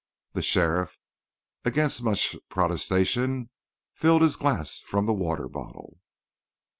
The sheriff, against much protestation, filled his glass from the water bottle.